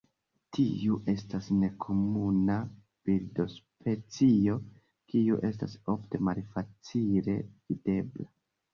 Tiu estas nekomuna birdospecio kiu estas ofte malfacile videbla.